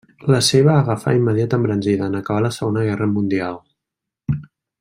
La seva agafà immediata embranzida, en acabar la segona guerra mundial.